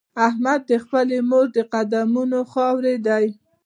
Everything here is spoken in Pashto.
احمد د خپلې مور د قدمونو خاورې دی.